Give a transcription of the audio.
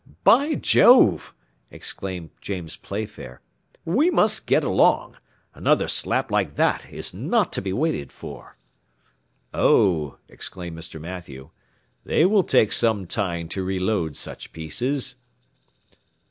"By Jove!" exclaimed James Playfair, "we must get along; another slap like that is not to be waited for." "Oh!" exclaimed Mr. Mathew, "they will take some time to reload such pieces."